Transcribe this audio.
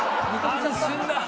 安心だ！